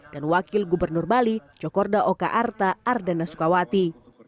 dan wakil gubernur bali cokorda oka arta ardana sukawati